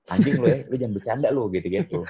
anjing lo ya lo jangan bercanda loh gitu gitu